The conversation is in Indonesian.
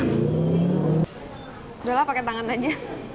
sudahlah pakai tangan saja